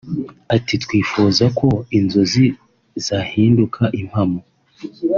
Ati”twifuza ko inzozi zahinduka impamo